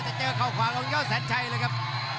จะเจอข่าวขวาลงย่อสัญชัยเลยครับ